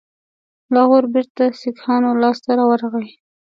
لاهور بیرته د سیکهانو لاسته ورغی.